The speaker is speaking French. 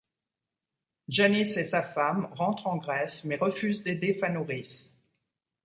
Giannis et sa femme rentre en Grèce mais refusent d'aider Fanouris.